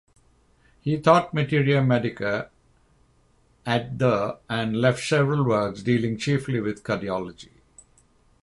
He taught "Materia Medica" at the and left several works dealing chiefly with cardiology.